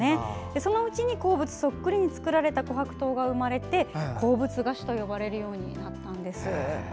そのうちに鉱物そっくりに作られた、こはく糖が生まれて鉱物菓子と呼ばれるようになったんです。